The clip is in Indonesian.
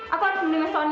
aku harus bintangin sony